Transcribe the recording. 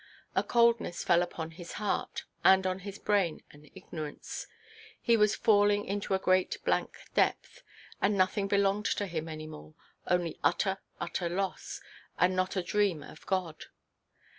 A coldness fell upon his heart, and on his brain an ignorance; he was falling into a great blank depth, and nothing belonged to him any more—only utter, utter loss, and not a dream of God.